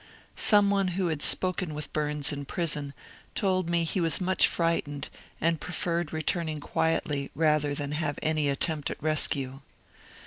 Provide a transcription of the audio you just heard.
Some one who had spoken with Bums in prison told me he was much frightened and preferred returning quietly rather than have any attempt at rescue.